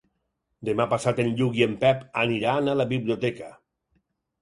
Demà passat en Lluc i en Pep aniran a la biblioteca.